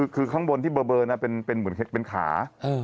คือข้างบนที่เบอร์น่ะเป็นขา